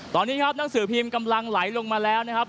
ตอนนี้ครับหนังสือพิมพ์กำลังไหลลงมาแล้วนะครับ